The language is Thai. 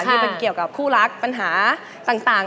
ที่มันเกี่ยวกับคู่รักปัญหาต่าง